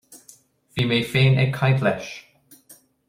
Bhí mé féin ag caint leis